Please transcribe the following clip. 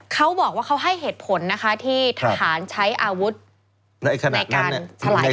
เขาบอกว่าเขาให้เหตุผลที่ทหารใช้อาวุธในการชลายการชุมนุม